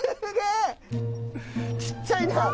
小っちゃいな。